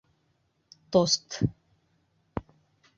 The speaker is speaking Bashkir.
Тост!